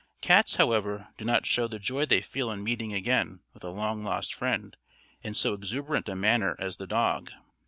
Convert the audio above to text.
Cats, however, do not show the joy they feel on meeting again with a long lost friend in so exuberant a manner as the dog.